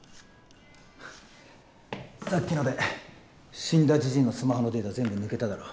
ははっさっきので死んだじじいのスマホのデータ全部抜けただろ。